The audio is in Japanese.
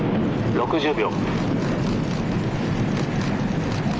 ６０秒。